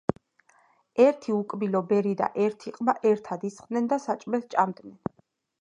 ერთი უკბილო ბერი და ერთი ყმა ერთად ისხდენ და საჭმელს სჭამდნენ.